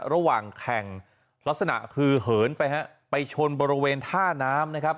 ระหว่างแข่งลักษณะคือเหินไปฮะไปชนบริเวณท่าน้ำนะครับ